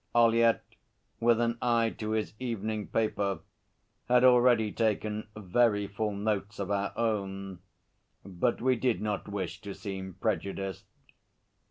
Ollyett with an eye to his evening paper, had already taken very full notes of our own, but we did not wish to seem prejudiced.